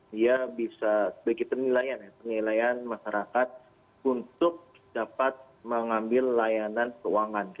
dia bisa sebagai penilaian ya penilaian masyarakat untuk dapat mengambil layanan keuangan